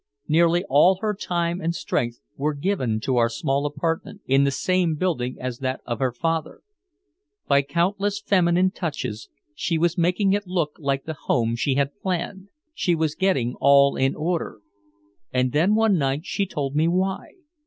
Nearly all her time and strength were given to our small apartment, in the same building as that of her father. By countless feminine touches she was making it look like the home she had planned. She was getting all in order. And then one night she told me why.